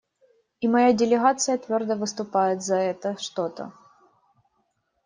И моя делегация твердо выступает за это что-то.